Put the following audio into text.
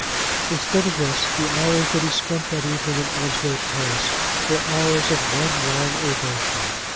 Instead of this the hours that he spent that evening in Onslow Terrace were hours of one long ovation.